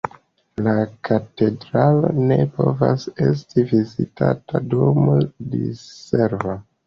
La katedralo ne povas esti vizitata dum diservo.